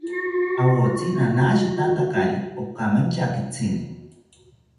Awotsi nanashitantakari okamanchakitzini